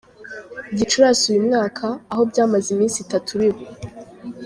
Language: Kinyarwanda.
Gicurasi uyu mwaka, aho byamaze iminsi itatu biba.